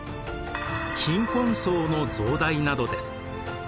貧困層の増大などです。